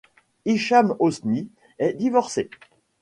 Hicham Hosni est divorcé.